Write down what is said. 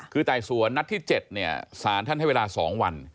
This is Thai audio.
คือไต่สวนนัดที่๗เนี่ยสารท่านให้เวลา๒วัน